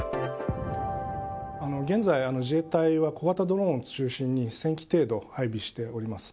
現在、自衛隊は小型ドローンを中心に１０００機程度配備しております。